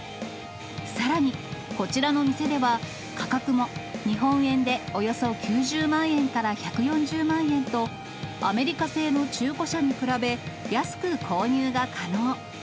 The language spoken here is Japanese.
さらにこちらの店では、価格も日本円でおよそ９０万円から１４０万円と、アメリカ製の中古車に比べ、安く購入が可能。